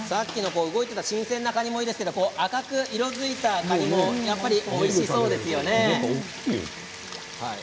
動いていて新鮮なカニいいですが、赤く色づいたカニもおいしそうですね。